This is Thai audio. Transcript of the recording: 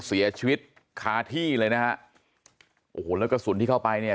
เสียชีวิตคาที่เลยนะฮะโอ้โหแล้วกระสุนที่เข้าไปเนี่ย